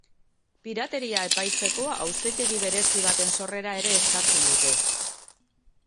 Pirateria epaitzeko auzitegi berezi baten sorrera ere eskatzen dute.